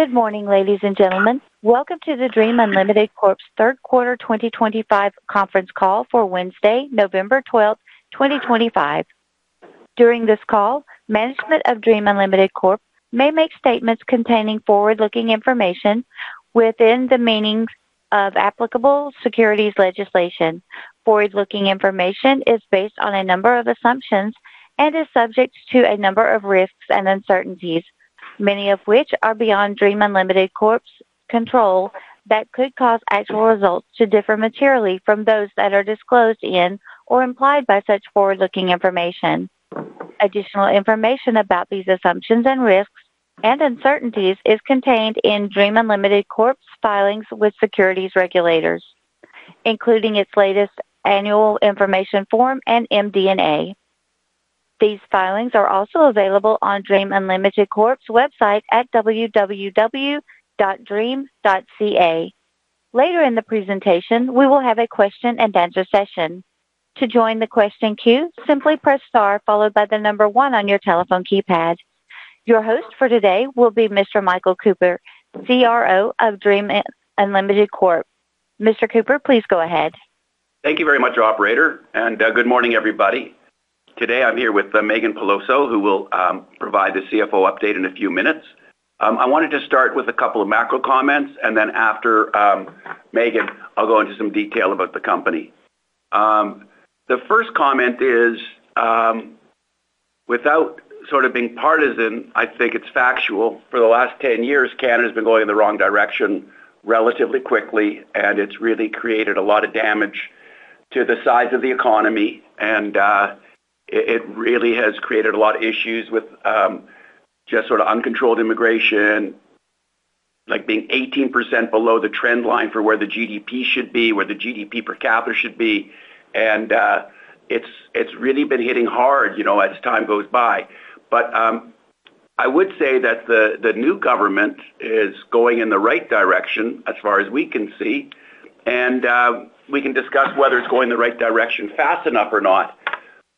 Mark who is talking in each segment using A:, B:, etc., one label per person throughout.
A: Good morning, ladies and gentlemen. Welcome to the Dream Unlimited Corp.'s third quarter 2025 conference call for Wednesday, November 12th, 2025. During this call, management of Dream Unlimited Corp. may make statements containing forward-looking information within the meanings of applicable securities legislation. Forward-looking information is based on a number of assumptions and is subject to a number of risks and uncertainties, many of which are beyond Dream Unlimited Corp.'s control that could cause actual results to differ materially from those that are disclosed in or implied by such forward-looking information. Additional information about these assumptions and risks and uncertainties is contained in Dream Unlimited Corp.'s filings with securities regulators, including its latest annual information form and MD&A. These filings are also available on Dream Unlimited Corp.'s website at www.dream.ca. Later in the presentation, we will have a question-and-answer session. To join the question queue, simply press star followed by the number one on your telephone keypad. Your host for today will be Mr. Michael Cooper, CRO of Dream Unlimited Corp. Mr. Cooper, please go ahead.
B: Thank you very much, Operator. Good morning, everybody. Today I'm here with Meaghan Peloso, who will provide the CFO update in a few minutes. I wanted to start with a couple of macro comments. After Meaghan, I'll go into some detail about the company. The first comment is, without sort of being partisan, I think it's factual. For the last 10 years, Canada has been going in the wrong direction relatively quickly, and it's really created a lot of damage to the size of the economy. It really has created a lot of issues with just sort of uncontrolled immigration, like being 18% below the trend line for where the GDP should be, where the GDP per capita should be. It's really been hitting hard as time goes by. I would say that the new government is going in the right direction as far as we can see. We can discuss whether it is going in the right direction fast enough or not,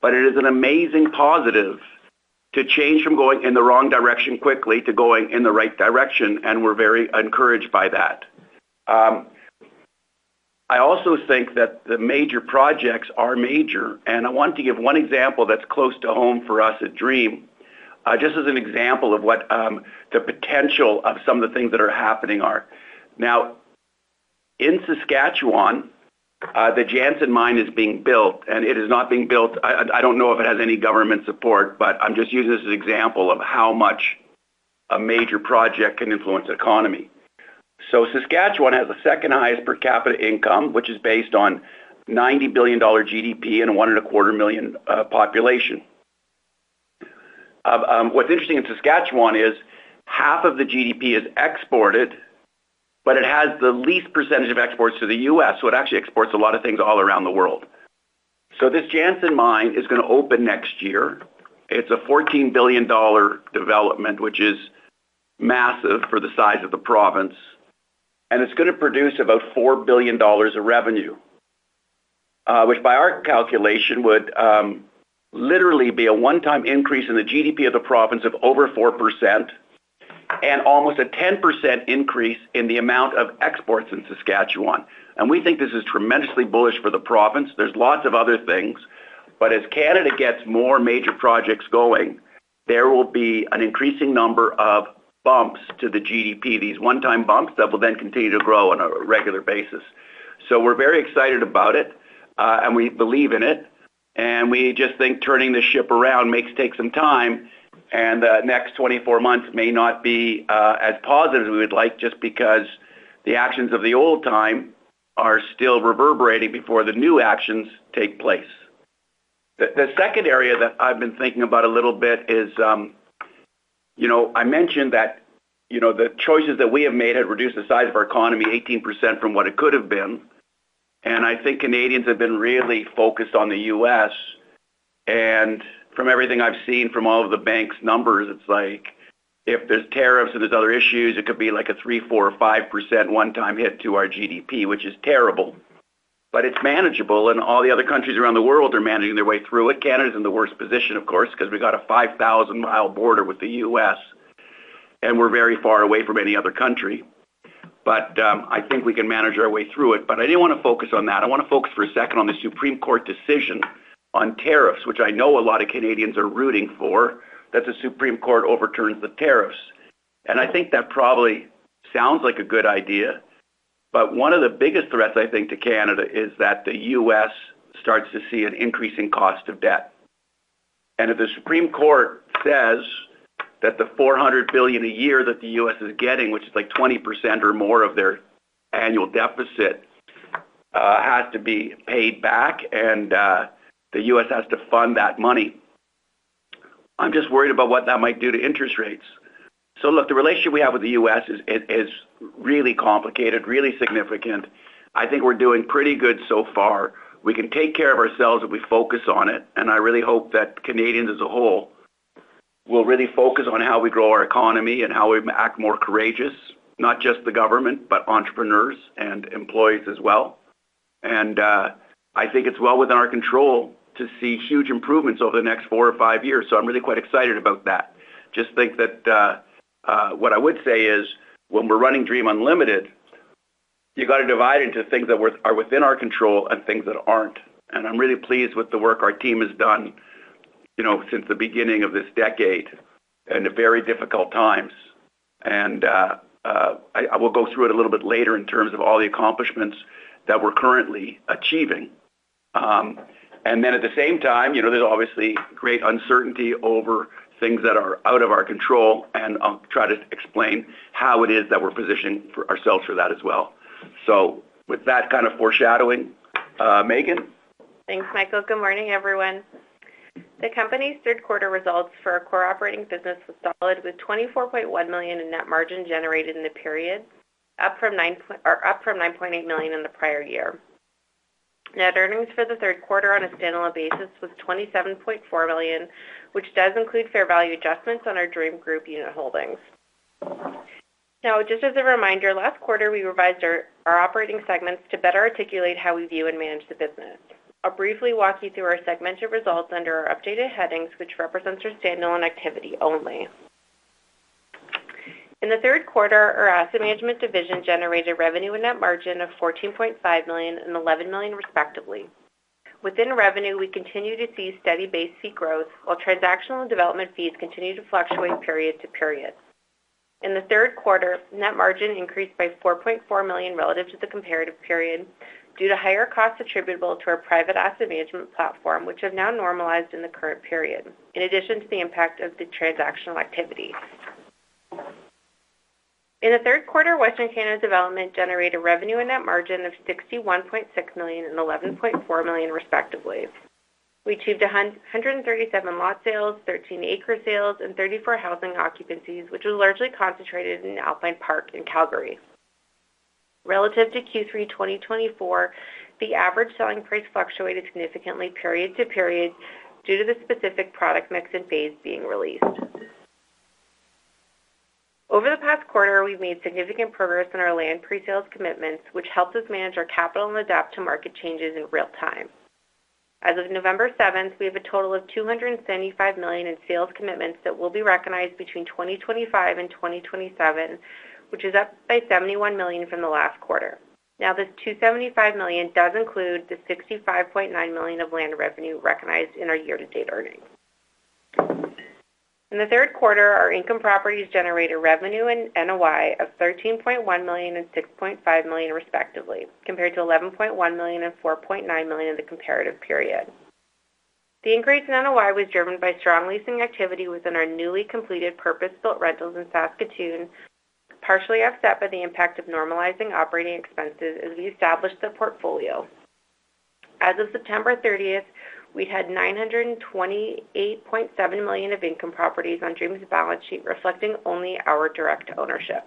B: but it is an amazing positive to change from going in the wrong direction quickly to going in the right direction, and we are very encouraged by that. I also think that the major projects are major. I want to give one example that is close to home for us at Dream, just as an example of what the potential of some of the things that are happening are. Now, in Saskatchewan, the Jansen Mine is being built, and it is not being built. I do not know if it has any government support, but I am just using this as an example of how much a major project can influence the economy. Saskatchewan has the second highest per capita income, which is based on 90 billion dollar GDP and a one and a quarter million population. What's interesting in Saskatchewan is half of the GDP is exported, but it has the least percentage of exports to the U.S., so it actually exports a lot of things all around the world. This Jansen Mine is going to open next year. It's a 14 billion dollar development, which is massive for the size of the province. It's going to produce about 4 billion dollars of revenue, which by our calculation would literally be a one-time increase in the GDP of the province of over 4% and almost a 10% increase in the amount of exports in Saskatchewan. We think this is tremendously bullish for the province. There's lots of other things. As Canada gets more major projects going, there will be an increasing number of bumps to the GDP, these one-time bumps that will then continue to grow on a regular basis. We are very excited about it, and we believe in it. We just think turning the ship around takes some time, and the next 24 months may not be as positive as we would like just because the actions of the old time are still reverberating before the new actions take place. The second area that I have been thinking about a little bit is, you know, I mentioned that the choices that we have made have reduced the size of our economy 18% from what it could have been. I think Canadians have been really focused on the US. From everything I have seen from all of the banks' numbers, it is like if there are tariffs and there are other issues, it could be like a 3%-5% one-time hit to our GDP, which is terrible. It is manageable, and all the other countries around the world are managing their way through it. Canada is in the worst position, of course, because we have a 5,000 mi border with the U.S., and we are very far away from any other country. I think we can manage our way through it. I did not want to focus on that. I want to focus for a second on the Supreme Court decision on tariffs, which I know a lot of Canadians are rooting for, that the Supreme Court overturns the tariffs. I think that probably sounds like a good idea. One of the biggest threats, I think, to Canada is that the U.S. starts to see an increasing cost of debt. If the Supreme Court says that the $400 billion a year that the U.S. is getting, which is like 20% or more of their annual deficit, has to be paid back and the U.S. has to fund that money, I'm just worried about what that might do to interest rates. The relationship we have with the U.S. is really complicated, really significant. I think we're doing pretty good so far. We can take care of ourselves if we focus on it. I really hope that Canadians as a whole will really focus on how we grow our economy and how we act more courageous, not just the government, but entrepreneurs and employees as well. I think it's well within our control to see huge improvements over the next four or five years. I'm really quite excited about that. What I would say is, when we're running Dream Unlimited, you've got to divide into things that are within our control and things that aren't. I'm really pleased with the work our team has done since the beginning of this decade in very difficult times. I will go through it a little bit later in terms of all the accomplishments that we're currently achieving. At the same time, there's obviously great uncertainty over things that are out of our control, and I'll try to explain how it is that we're positioning ourselves for that as well. With that kind of foreshadowing, Meaghan?
C: Thanks, Michael. Good morning, everyone. The company's third-quarter results for our core operating business were solid, with 24.1 million in net margin generated in the period, up from 9.8 million in the prior year. Net earnings for the third quarter on a standalone basis was 27.4 million, which does include fair value adjustments on our Dream Group unit holdings. Now, just as a reminder, last quarter we revised our operating segments to better articulate how we view and manage the business. I'll briefly walk you through our segmented results under our updated headings, which represents our standalone activity only. In the third quarter, our asset management division generated revenue and net margin of 14.5 million and 11 million, respectively. Within revenue, we continue to see steady base fee growth, while transactional and development fees continue to fluctuate period to period. In the third quarter, net margin increased by 4.4 million relative to the comparative period due to higher costs attributable to our private asset management platform, which have now normalized in the current period, in addition to the impact of the transactional activity. In the third quarter, Western Canada Land division generated revenue and net margin of 61.6 million and 11.4 million, respectively. We achieved 137 lot sales, 13 acre sales, and 34 housing occupancies, which was largely concentrated in Alpine Park in Calgary. Relative to Q3 2024, the average selling price fluctuated significantly period to period due to the specific product mix and phase being released. Over the past quarter, we've made significant progress in our land pre-sales commitments, which helps us manage our capital and adapt to market changes in real time. As of November 7th, we have a total of 275 million in sales commitments that will be recognized between 2025 and 2027, which is up by 71 million from the last quarter. Now, this 275 million does include the 65.9 million of land revenue recognized in our year-to-date earnings. In the third quarter, our income properties generated revenue and NOI of 13.1 million and 6.5 million, respectively, compared to 11.1 million and 4.9 million in the comparative period. The increase in NOI was driven by strong leasing activity within our newly completed purpose-built rentals in Saskatoon, partially offset by the impact of normalizing operating expenses as we established the portfolio. As of September 30th, we had 928.7 million of income properties on Dream's balance sheet, reflecting only our direct ownership.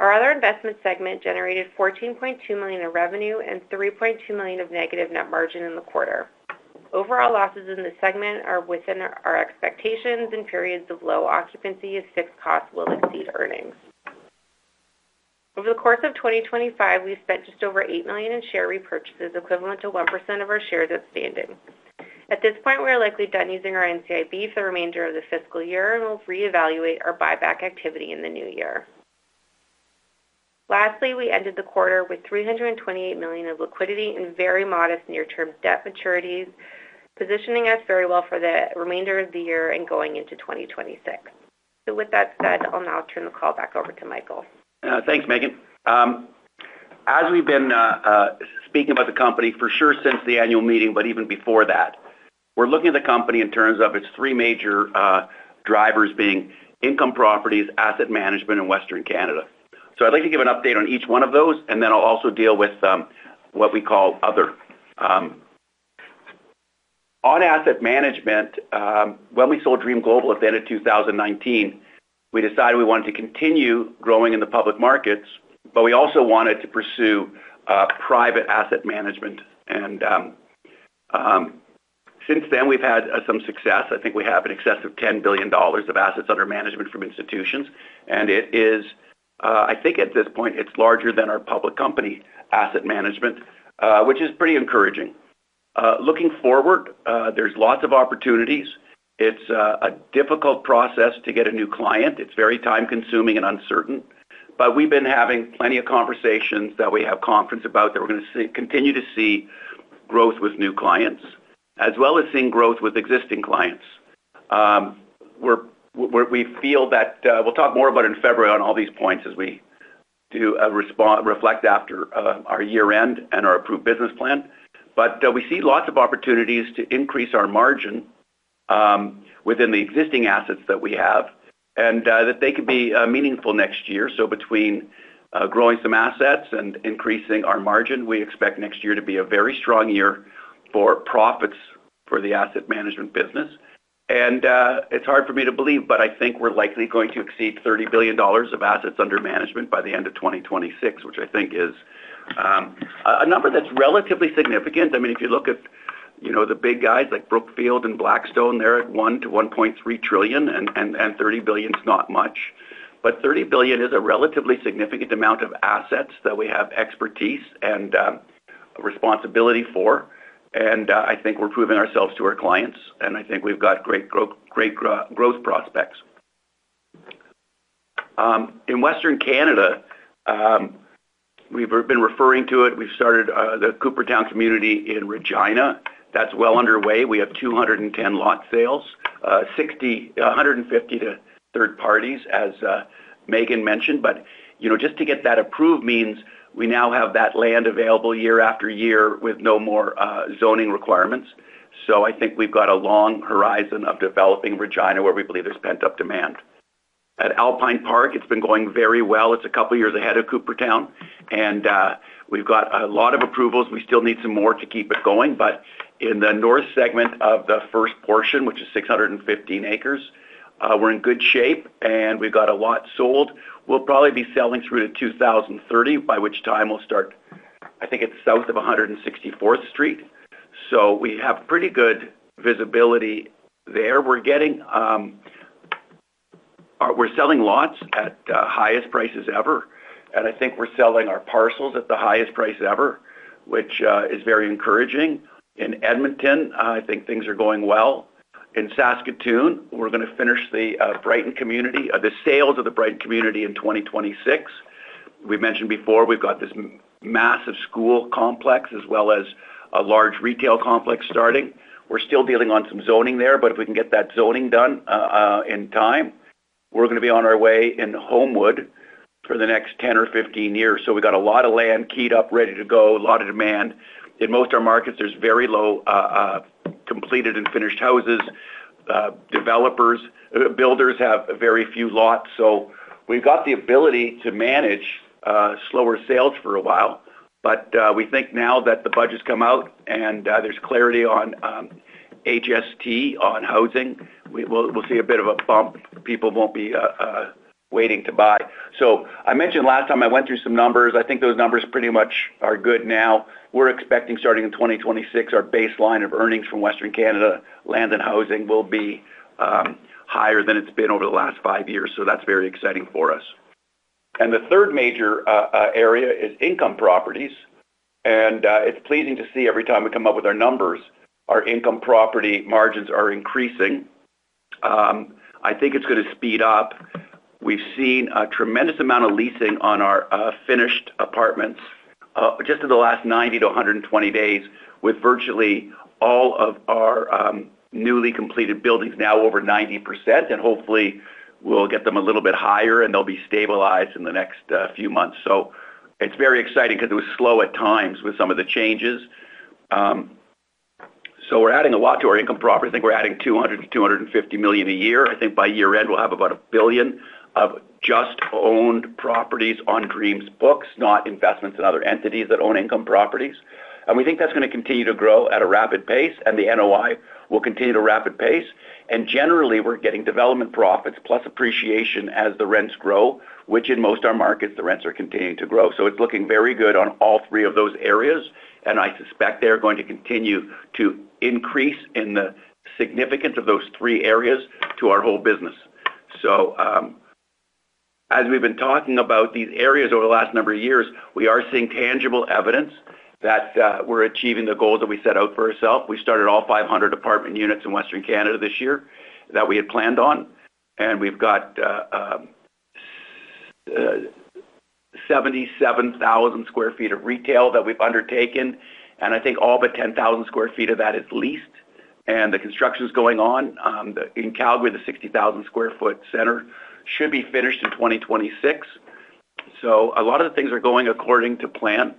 C: Our other investment segment generated 14.2 million of revenue and 3.2 million of negative net margin in the quarter. Overall losses in this segment are within our expectations in periods of low occupancy if fixed costs will exceed earnings. Over the course of 2025, we have spent just over 8 million in share repurchases, equivalent to 1% of our shares outstanding. At this point, we are likely done using our NCIB for the remainder of the fiscal year, and we will reevaluate our buyback activity in the new year. Lastly, we ended the quarter with 328 million of liquidity and very modest near-term debt maturities, positioning us very well for the remainder of the year and going into 2026. With that said, I will now turn the call back over to Michael.
B: Thanks, Meaghan. As we've been speaking about the company, for sure since the annual meeting, but even before that, we're looking at the company in terms of its three major drivers being income properties, asset management, and Western Canada. I would like to give an update on each one of those, and then I'll also deal with what we call other. On asset management, when we sold Dream Global at the end of 2019, we decided we wanted to continue growing in the public markets, but we also wanted to pursue private asset management. And since then, we've had some success. I think we have in excess of 10 billion dollars of assets under management from institutions. And it is, I think at this point, it's larger than our public company asset management, which is pretty encouraging. Looking forward, there's lots of opportunities. It's a difficult process to get a new client. It's very time-consuming and uncertain. We've been having plenty of conversations that we have confidence about that we're going to continue to see growth with new clients, as well as seeing growth with existing clients. We feel that we'll talk more about in February on all these points as we do reflect after our year-end and our approved business plan. We see lots of opportunities to increase our margin within the existing assets that we have and that they could be meaningful next year. Between growing some assets and increasing our margin, we expect next year to be a very strong year for profits for the asset management business. It's hard for me to believe, but I think we're likely going to exceed 30 billion dollars of assets under management by the end of 2026, which I think is a number that's relatively significant. I mean, if you look at the big guys like Brookfield and Blackstone, they're at $1 trillion to $1.3 trillion, and 30 billion is not much. 30 billion is a relatively significant amount of assets that we have expertise and responsibility for. I think we're proving ourselves to our clients, and I think we've got great growth prospects. In Western Canada, we've been referring to it. We've started the Coopertown community in Regina. That's well underway. We have 210 lot sales, 150 to third parties, as Meaghan mentioned. Just to get that approved means we now have that land available year after year with no more zoning requirements. I think we've got a long horizon of developing Regina where we believe there's pent-up demand. At Alpine Park, it's been going very well. It's a couple of years ahead of Coopertown. We've got a lot of approvals. We still need some more to keep it going. In the north segment of the first portion, which is 615 acres, we're in good shape, and we've got a lot sold. We'll probably be selling through to 2030, by which time we'll start, I think it's south of 164th Street. We have pretty good visibility there. We're selling lots at the highest prices ever. I think we're selling our parcels at the highest price ever, which is very encouraging. In Edmonton, I think things are going well. In Saskatoon, we're going to finish the Brighton community, the sales of the Brighton community in 2026. We mentioned before we've got this massive school complex as well as a large retail complex starting. We're still dealing on some zoning there, but if we can get that zoning done in time, we're going to be on our way in Homewood for the next 10 or 15 years. We've got a lot of land keyed up, ready to go, a lot of demand. In most of our markets, there's very low completed and finished houses. Builders have very few lots. We've got the ability to manage slower sales for a while. We think now that the budgets come out and there's clarity on HST on housing, we'll see a bit of a bump. People won't be waiting to buy. I mentioned last time I went through some numbers. I think those numbers pretty much are good now. We're expecting, starting in 2026, our baseline of earnings from Western Canada Land and housing will be higher than it's been over the last 5 years. That is very exciting for us. The third major area is income properties. It's pleasing to see every time we come up with our numbers, our income property margins are increasing. I think it's going to speed up. We've seen a tremendous amount of leasing on our finished apartments just in the last 90-120 days with virtually all of our newly completed buildings now over 90%. Hopefully, we'll get them a little bit higher, and they'll be stabilized in the next few months. It is very exciting because it was slow at times with some of the changes. We're adding a lot to our income property. I think we're adding 200 million-250 million a year. I think by year-end, we'll have about 1 billion of just-owned properties on Dream's books, not investments in other entities that own income properties. We think that's going to continue to grow at a rapid pace. The NOI will continue to rapid pace. Generally, we're getting development profits plus appreciation as the rents grow, which in most of our markets, the rents are continuing to grow. It's looking very good on all three of those areas. I suspect they're going to continue to increase in the significance of those three areas to our whole business. As we've been talking about these areas over the last number of years, we are seeing tangible evidence that we're achieving the goals that we set out for ourselves. We started all 500 apartment units in Western Canada this year that we had planned on. We have 77,000 sq ft of retail that we have undertaken. I think all but 10,000 sq ft of that is leased. The construction is going on. In Calgary, the 60,000 sq ft center should be finished in 2026. A lot of the things are going according to plan.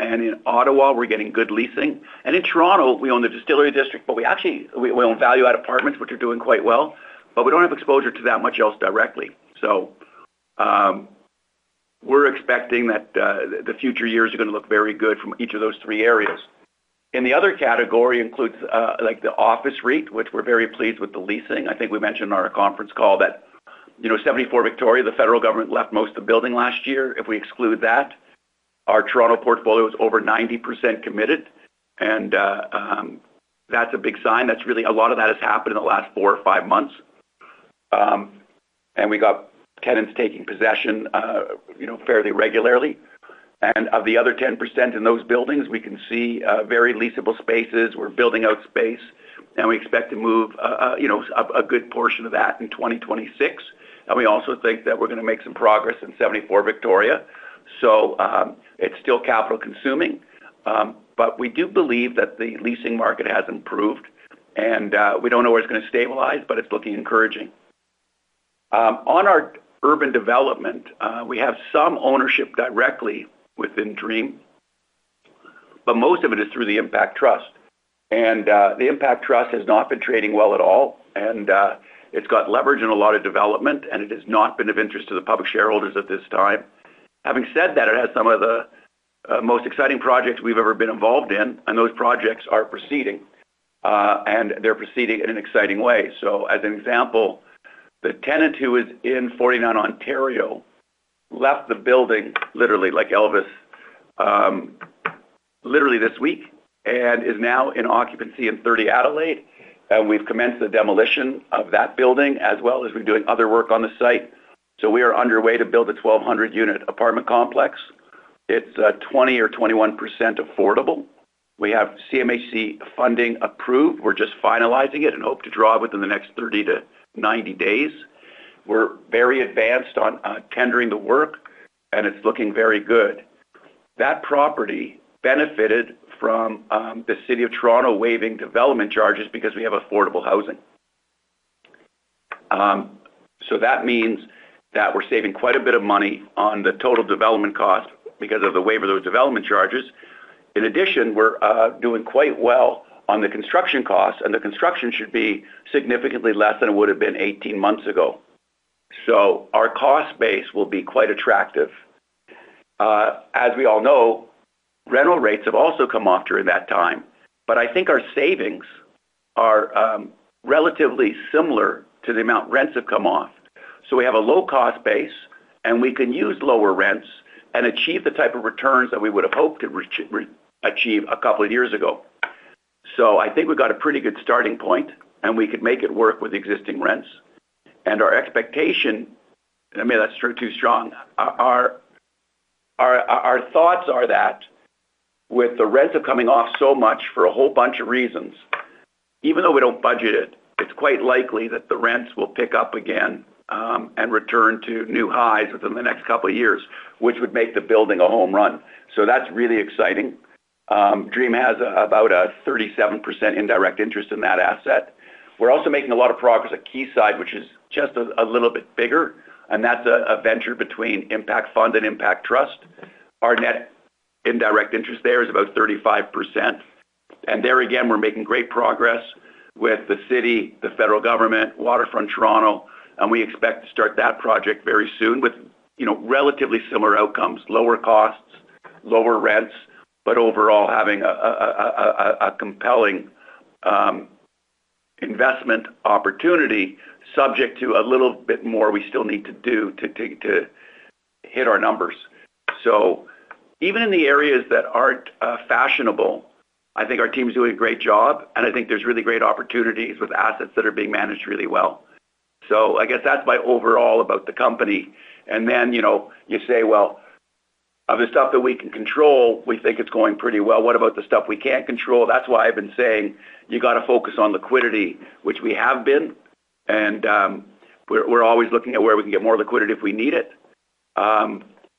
B: In Ottawa, we are getting good leasing. In Toronto, we own the Distillery District, but we own value-add apartments, which are doing quite well. We do not have exposure to that much else directly. We are expecting that the future years are going to look very good from each of those three areas. The other category includes the office REIT, which we are very pleased with the leasing. I think we mentioned on our conference call that 74 Victoria, the federal government left most of the building last year. If we exclude that, our Toronto portfolio is over 90% committed. That is a big sign. That is really a lot of that has happened in the last four or five months. We got tenants taking possession fairly regularly. Of the other 10% in those buildings, we can see very leasable spaces. We are building out space. We expect to move a good portion of that in 2026. We also think that we are going to make some progress in 74 Victoria. It is still capital-consuming. We do believe that the leasing market has improved. We do not know where it is going to stabilize, but it is looking encouraging. On our urban development, we have some ownership directly within Dream, but most of it is through the Impact Trust. The Impact Trust has not been trading well at all. It has got leverage in a lot of development, and it has not been of interest to the public shareholders at this time. Having said that, it has some of the most exciting projects we have ever been involved in. Those projects are proceeding, and they are proceeding in an exciting way. For example, the tenant who is in 49 Ontario left the building, literally like Elvis, literally this week and is now in occupancy in 30 Adelaide. We have commenced the demolition of that building, as well as we are doing other work on the site. We are underway to build a 1,200-unit apartment complex. It is 20% or 21% affordable. We have CMHC funding approved. We are just finalizing it and hope to draw within the next 30-90 days. We are very advanced on tendering the work, and it is looking very good. That property benefited from the City of Toronto waiving development charges because we have affordable housing. That means that we're saving quite a bit of money on the total development cost because of the waiver of those development charges. In addition, we're doing quite well on the construction costs, and the construction should be significantly less than it would have been 18 months ago. Our cost base will be quite attractive. As we all know, rental rates have also come off during that time. I think our savings are relatively similar to the amount rents have come off. We have a low cost base, and we can use lower rents and achieve the type of returns that we would have hoped to achieve a couple of years ago. I think we've got a pretty good starting point, and we could make it work with existing rents. Our expectation, I mean, that's too strong. Our thoughts are that with the rents coming off so much for a whole bunch of reasons, even though we don't budget it, it's quite likely that the rents will pick up again and return to new highs within the next couple of years, which would make the building a home run. That's really exciting. Dream has about a 37% indirect interest in that asset. We're also making a lot of progress at Quayside, which is just a little bit bigger. That's a venture between Impact Fund and Impact Trust. Our net indirect interest there is about 35%. There again, we're making great progress with the city, the federal government, Waterfront Toronto. We expect to start that project very soon with relatively similar outcomes, lower costs, lower rents, but overall having a compelling investment opportunity subject to a little bit more we still need to do to hit our numbers. Even in the areas that are not fashionable, I think our team's doing a great job. I think there are really great opportunities with assets that are being managed really well. That is my overall about the company. Of the stuff that we can control, we think it is going pretty well. What about the stuff we cannot control? That is why I have been saying you have got to focus on liquidity, which we have been. We are always looking at where we can get more liquidity if we need it.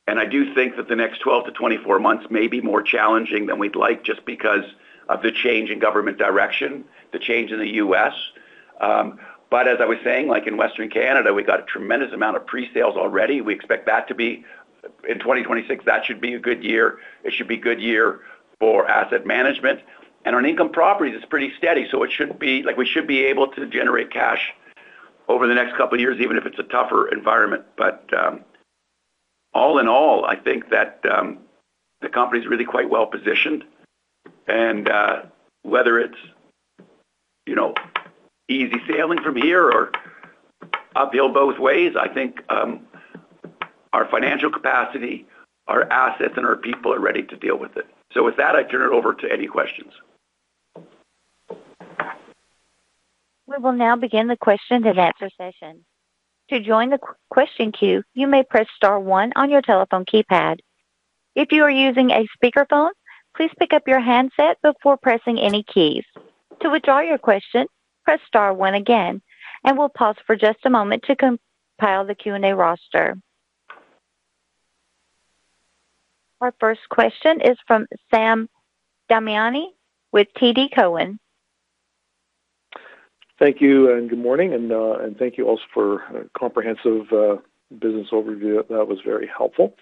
B: I do think that the next 12-24 months may be more challenging than we'd like just because of the change in government direction, the change in the U.S. As I was saying, like in Western Canada, we've got a tremendous amount of pre-sales already. We expect that to be in 2026. That should be a good year. It should be a good year for asset management. On income properties, it's pretty steady. We should be able to generate cash over the next couple of years, even if it's a tougher environment. All in all, I think that the company's really quite well positioned. Whether it's easy sailing from here or uphill both ways, I think our financial capacity, our assets, and our people are ready to deal with it. With that, I turn it over to any questions.
A: We will now begin the question and answer session. To join the question queue, you may press star one on your telephone keypad. If you are using a speakerphone, please pick up your handset before pressing any keys. To withdraw your question, press star one again. We will pause for just a moment to compile the Q&A roster. Our first question is from Sam Damiani with TD Cowen.
D: Thank you and good morning. Thank you also for a comprehensive business overview. That was very helpful.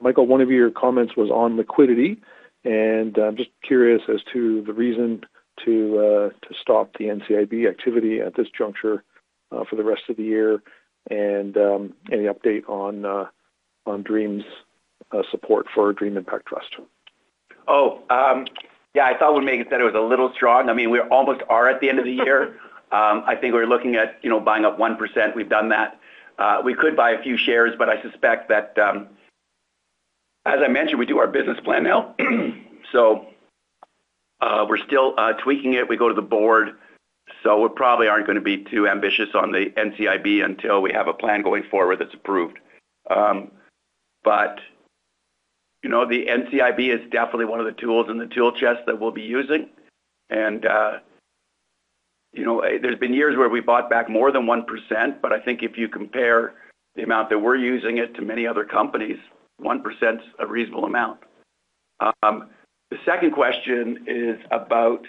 D: Michael, one of your comments was on liquidity. I'm just curious as to the reason to stop the NCIB activity at this juncture for the rest of the year and any update on Dream's support for Dream Impact Trust.
B: Oh, yeah. I thought we'd make it, said it was a little strong. I mean, we almost are at the end of the year. I think we're looking at buying up 1%. We've done that. We could buy a few shares, but I suspect that, as I mentioned, we do our business plan now. We're still tweaking it. We go to the board. We probably aren't going to be too ambitious on the NCIB until we have a plan going forward that's approved. The NCIB is definitely one of the tools in the tool chest that we'll be using. There have been years where we bought back more than 1%. I think if you compare the amount that we're using it to many other companies, 1% is a reasonable amount. The second question is about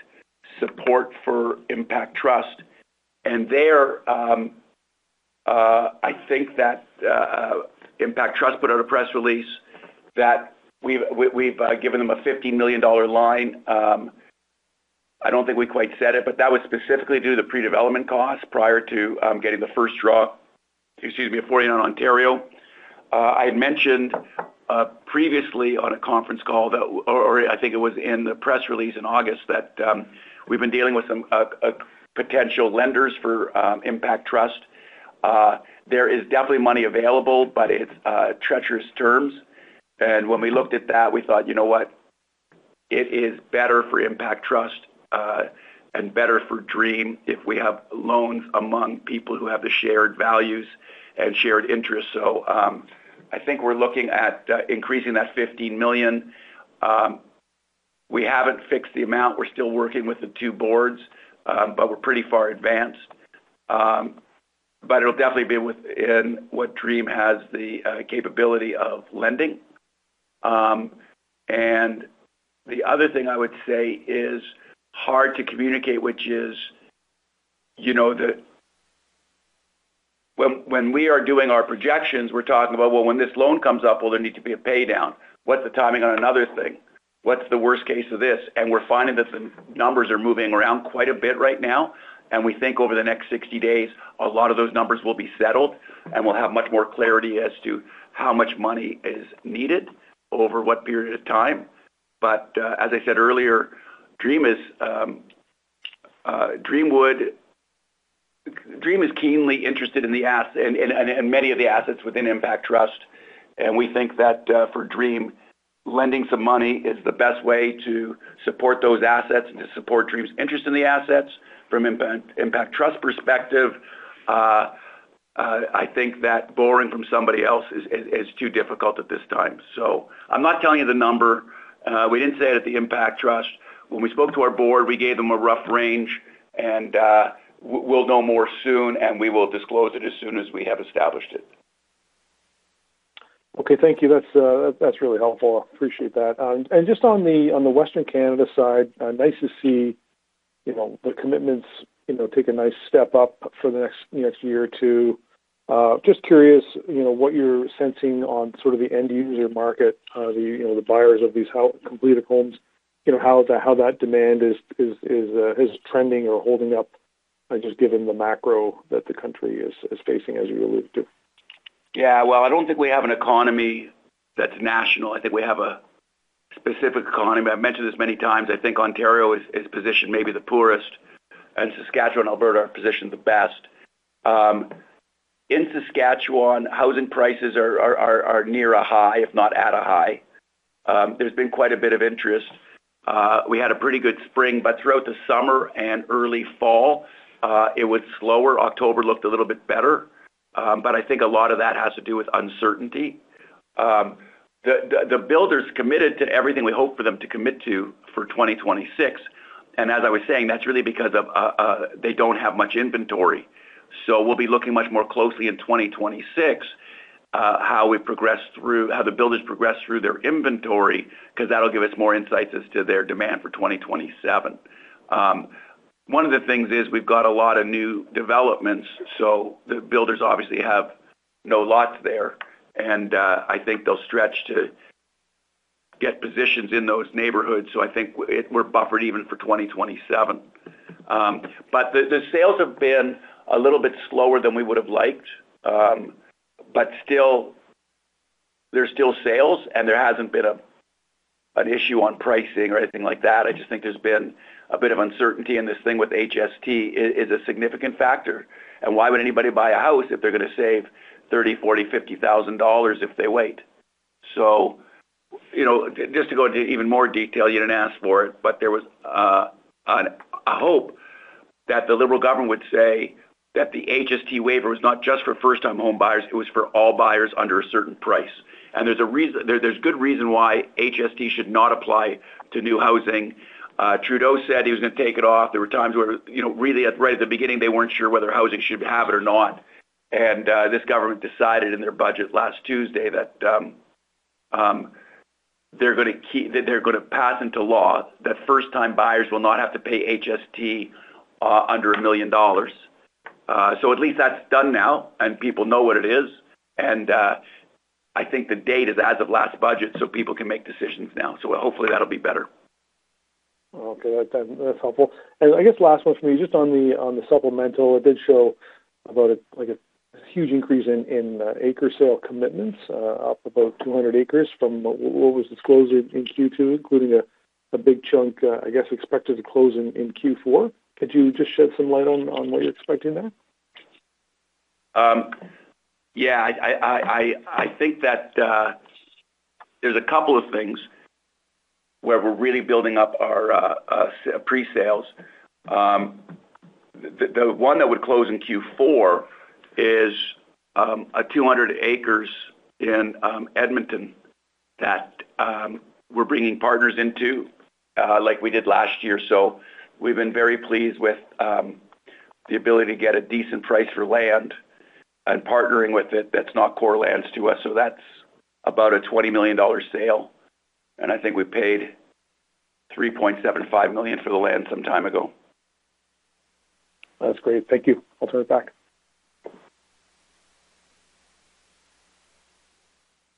B: support for Impact Trust. I think that Impact Trust put out a press release that we have given them a 15 million dollar line. I do not think we quite said it, but that was specifically due to the pre-development costs prior to getting the first draw, excuse me, of 49 Ontario. I had mentioned previously on a conference call, or I think it was in the press release in August, that we have been dealing with some potential lenders for Impact Trust. There is definitely money available, but it is treacherous terms. When we looked at that, we thought, you know what? It is better for Impact Trust and better for Dream if we have loans among people who have the shared values and shared interests. I think we are looking at increasing that 15 million. We have not fixed the amount. We are still working with the two boards, but we are pretty far advanced. It'll definitely be within what Dream has the capability of lending. The other thing I would say is hard to communicate, which is when we are doing our projections, we're talking about, well, when this loan comes up, there needs to be a paydown. What's the timing on another thing? What's the worst case of this? We're finding that the numbers are moving around quite a bit right now. We think over the next 60 days, a lot of those numbers will be settled. We'll have much more clarity as to how much money is needed over what period of time. As I said earlier, Dream is keenly interested in the assets and many of the assets within Impact Trust. We think that for Dream, lending some money is the best way to support those assets and to support Dream's interest in the assets. From an Impact Trust perspective, I think that borrowing from somebody else is too difficult at this time. I am not telling you the number. We did not say it at the Impact Trust. When we spoke to our board, we gave them a rough range. We will know more soon, and we will disclose it as soon as we have established it.
D: Okay. Thank you. That's really helpful. I appreciate that. Just on the Western Canada side, nice to see the commitments take a nice step up for the next year or two. Just curious what you're sensing on sort of the end user market, the buyers of these completed homes, how that demand is trending or holding up, just given the macro that the country is facing as we allude to.
B: Yeah. I do not think we have an economy that is national. I think we have a specific economy. I have mentioned this many times. I think Ontario is positioned maybe the poorest, and Saskatchewan and Alberta are positioned the best. In Saskatchewan, housing prices are near a high, if not at a high. There has been quite a bit of interest. We had a pretty good spring, but throughout the summer and early fall, it was slower. October looked a little bit better. I think a lot of that has to do with uncertainty. The builders committed to everything we hope for them to commit to for 2026. As I was saying, that is really because they do not have much inventory. We will be looking much more closely in 2026 at how we progress through, how the builders progress through their inventory, because that will give us more insights as to their demand for 2027. One of the things is we have a lot of new developments, so the builders obviously have no lots there. I think they will stretch to get positions in those neighborhoods. I think we are buffered even for 2027. The sales have been a little bit slower than we would have liked, but still, there are sales, and there has not been an issue on pricing or anything like that. I just think there has been a bit of uncertainty, and this thing with HST is a significant factor. Why would anybody buy a house if they are going to save 30,000-50,000 dollars if they wait? Just to go into even more detail, you did not ask for it, but there was a hope that the Liberal government would say that the HST waiver was not just for first-time home buyers. It was for all buyers under a certain price. There is good reason why HST should not apply to new housing. Trudeau said he was going to take it off. There were times where really right at the beginning, they were not sure whether housing should have it or not. This government decided in their budget last Tuesday that they are going to pass into law that first-time buyers will not have to pay HST under 1 million dollars. At least that is done now, and people know what it is. I think the date is as of last budget, so people can make decisions now. Hopefully that will be better.
D: Okay. That's helpful. I guess last one for me, just on the supplemental, it did show about a huge increase in acre sale commitments, up about 200 acres from what was disclosed in Q2, including a big chunk, I guess, expected to close in Q4. Could you just shed some light on what you're expecting there?
B: Yeah. I think that there's a couple of things where we're really building up our pre-sales. The one that would close in Q4 is a 200 acres in Edmonton that we're bringing partners into like we did last year. We've been very pleased with the ability to get a decent price for land and partnering with it that's not core lands to us. That's about 20 million dollar sale. I think we paid 3.75 million for the land some time ago.
D: That's great. Thank you. I'll turn it back.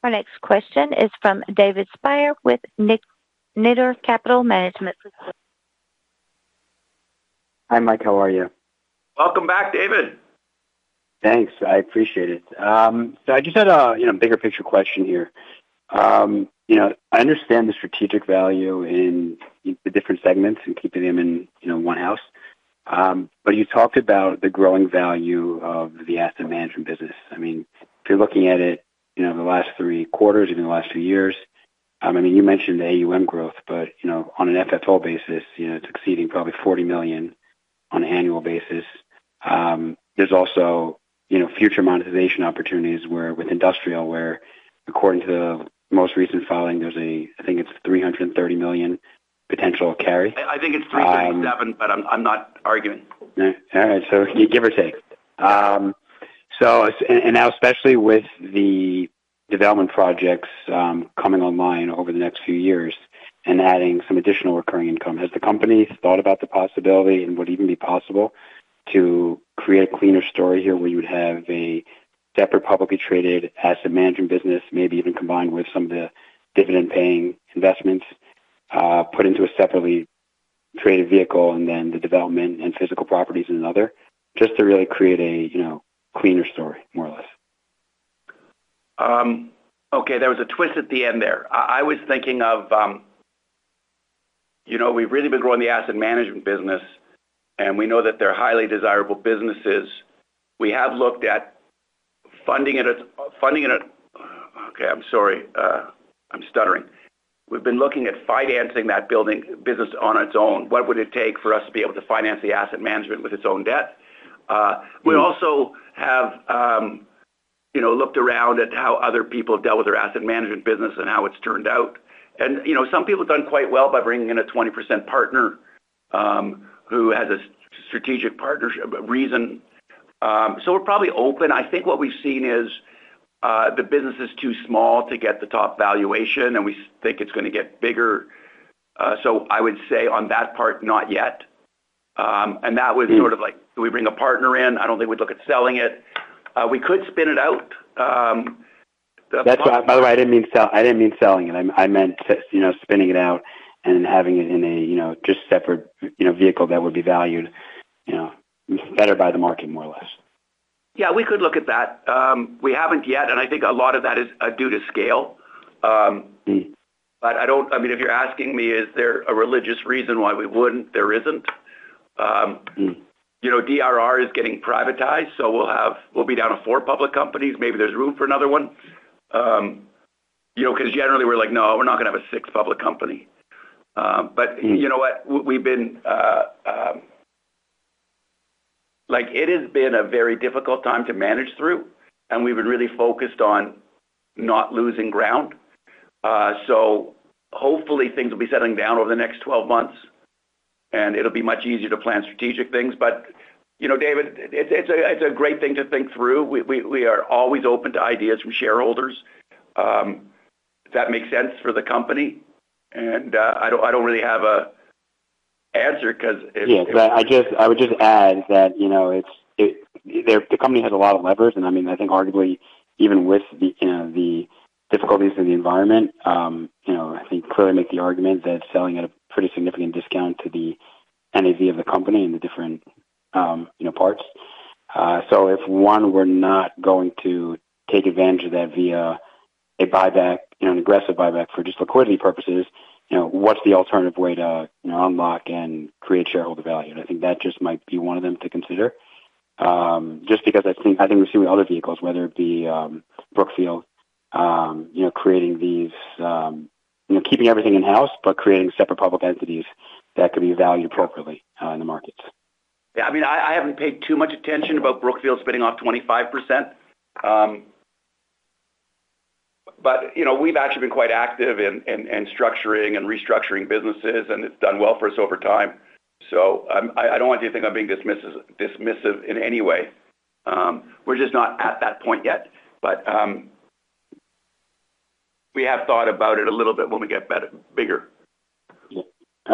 A: Our next question is from David Spier with Nitor Capital Management.
E: Hi, Mike. How are you?
B: Welcome back, David.
E: Thanks. I appreciate it. I just had a bigger picture question here. I understand the strategic value in the different segments and keeping them in one house. You talked about the growing value of the asset management business. I mean, if you're looking at it the last three quarters, even the last few years, I mean, you mentioned the AUM growth, but on an FFO basis, it's exceeding probably 40 million on an annual basis. There's also future monetization opportunities with industrial where, according to the most recent filing, there's a, I think it's 330 million potential carry.
B: I think it's 337, but I'm not arguing.
E: All right. So give or take. And now, especially with the development projects coming online over the next few years and adding some additional recurring income, has the company thought about the possibility and would it even be possible to create a cleaner story here where you would have a separate publicly traded asset management business, maybe even combined with some of the dividend-paying investments put into a separately traded vehicle and then the development and physical properties in another just to really create a cleaner story, more or less?
B: Okay. There was a twist at the end there. I was thinking of we've really been growing the asset management business, and we know that they're highly desirable businesses. We have looked at funding it. Okay. I'm sorry. We've been looking at financing that building business on its own. What would it take for us to be able to finance the asset management with its own debt? We also have looked around at how other people have dealt with their asset management business and how it's turned out. Some people have done quite well by bringing in a 20% partner who has a strategic partnership reason. We are probably open. I think what we've seen is the business is too small to get the top valuation, and we think it's going to get bigger. I would say on that part, not yet. That was sort of like, do we bring a partner in? I do not think we would look at selling it. We could spin it out.
E: By the way, I didn't mean selling. I meant spinning it out and having it in a just separate vehicle that would be valued better by the market, more or less.
B: Yeah. We could look at that. We have not yet. I think a lot of that is due to scale. I mean, if you are asking me, is there a religious reason why we would not, there is not. DRR is getting privatized, so we will be down to four public companies. Maybe there is room for another one. Generally, we are like, no, we are not going to have a sixth public company. You know what? It has been a very difficult time to manage through, and we have been really focused on not losing ground. Hopefully, things will be settling down over the next 12 months, and it will be much easier to plan strategic things. David, it is a great thing to think through. We are always open to ideas from shareholders if that makes sense for the company. I do not really have an answer because.
E: Yeah. I would just add that the company has a lot of levers. I mean, I think arguably, even with the difficulties in the environment, I think you can clearly make the argument that selling at a pretty significant discount to the NAV of the company and the different parts. If one were not going to take advantage of that via a buyback, an aggressive buyback for just liquidity purposes, what's the alternative way to unlock and create shareholder value? I think that just might be one of them to consider. Just because I think we've seen with other vehicles, whether it be Brookfield, creating these, keeping everything in-house, but creating separate public entities that could be valued appropriately in the markets.
B: Yeah. I mean, I haven't paid too much attention about Brookfield spinning off 25%. But we've actually been quite active in structuring and restructuring businesses, and it's done well for us over time. I don't want you to think I'm being dismissive in any way. We're just not at that point yet. We have thought about it a little bit when we get bigger.
E: All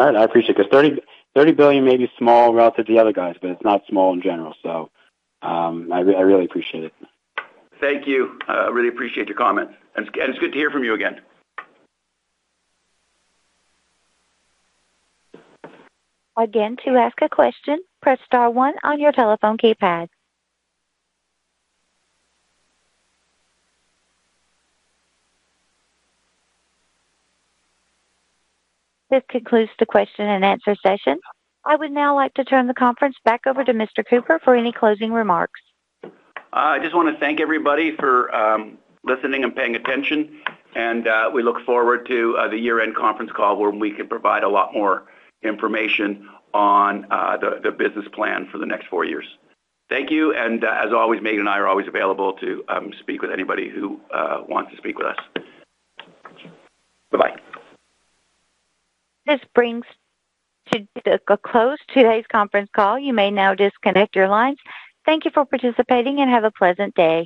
E: right. I appreciate it. Because 30 billion may be small relative to the other guys, but it's not small in general. So I really appreciate it.
B: Thank you. I really appreciate your comments. It is good to hear from you again.
A: Again, to ask a question, press star one on your telephone keypad. This concludes the question and answer session. I would now like to turn the conference back over to Mr. Cooper for any closing remarks.
B: I just want to thank everybody for listening and paying attention. We look forward to the year-end conference call where we can provide a lot more information on the business plan for the next 4 years. Thank you. As always, Meaghan and I are always available to speak with anybody who wants to speak with us. Bye-bye.
A: This brings to a close today's conference call. You may now disconnect your lines. Thank you for participating and have a pleasant day.